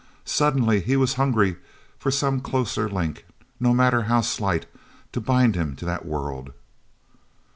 Suddenly he was hungry for some closer link, no matter how slight, to bind him to that world.